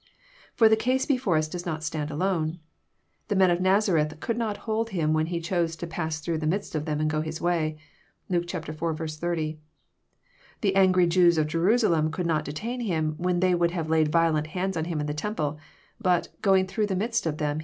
For the case before us does not stand alone. The men of Nazareth could not hold Him when He chose to '^ pass through the midst of them and go His way." (Luke iv. 30.) The angry Jews of Jerusalem could not detain him when they would have laid violent hands on Him in the Temple ; but, ^^ going through the midst of them.